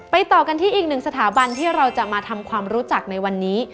ต่อกันที่อีกหนึ่งสถาบันที่เราจะมาทำความรู้จักในวันนี้